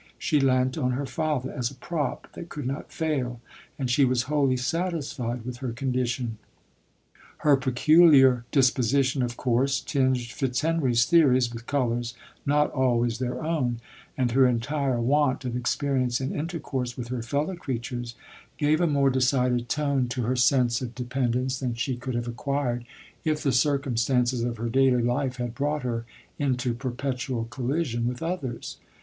She leant on her father as a prop that could not fail, and she was wholly satisfied with her condition. Her peculiar disposition of course tinged Fitzhenry's theories with colours not always their own, and her entire want of experience in intercourse with her fellow crea tures, gave a more decided tone to her sense of LODORK. 41 dependence than she could have acquired, if the circumstances of her daily life had brought her into perpetual collision with others.